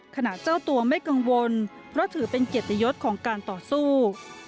เจ้าตัวไม่กังวลเพราะถือเป็นเกียรติยศของการต่อสู้